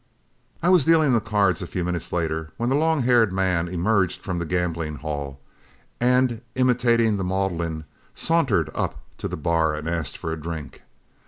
I was dealing the cards a few minutes later, when the long haired man emerged from the gambling hell, and imitating the maudlin, sauntered up to the bar and asked for a drink.